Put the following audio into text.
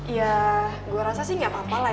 ya gue rasa sih gak apa apa lah